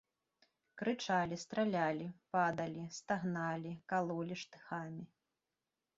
Крычалі, стралялі, падалі, стагналі, калолі штыхамі.